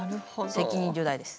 責任重大です。